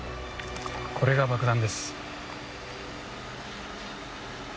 これが爆弾です。